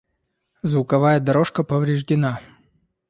Звуковая дорожка повреждена.